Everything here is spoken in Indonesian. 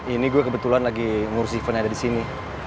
ini gue kebetulan lagi ngurus eventnya disini